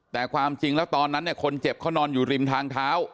แต่ความจริงแล้วตอนนั้นเนี่ยคนเจ็บเขานอนอยู่ริมทางเท้า